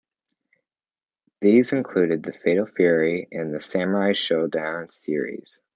These included the Fatal Fury and the Samurai Shodown series.